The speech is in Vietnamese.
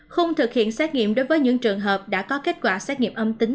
không thực hiện xét nghiệm đối với những trường hợp đã có kết quả xét nghiệm âm tính